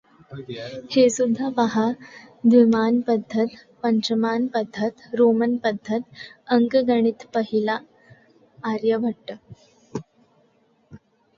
हेसुद्धा पाहा द्विमान पद्धत पंचमान पद्धत, रोमन पद्धत, अंकगणितपहिला आर्यभट्ट.